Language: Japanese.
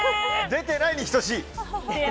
出てないに等しい。